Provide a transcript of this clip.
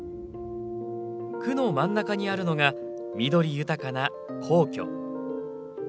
区の真ん中にあるのが緑豊かな皇居。